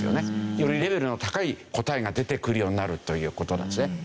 よりレベルの高い答えが出てくるようになるという事なんですね。